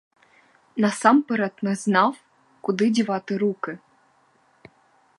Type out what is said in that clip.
Насамперед не знав, куди дівати руки.